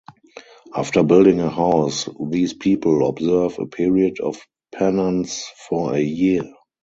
After building a house, these people observe a period of penance for a year.